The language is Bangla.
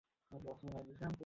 এটা আমাদের কুকুরের গন্ধ!